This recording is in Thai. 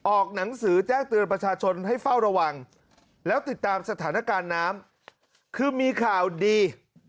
ออกหนังสือแจ้งเตือนประชาชนให้เฝ้าระวังแล้วติดตามสถานการณ์น้ำคือมีข่าวดี